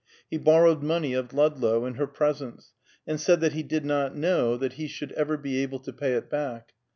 He borrowed money of Ludlow in her presence, and said that he did not know that he should ever be able to pay it back.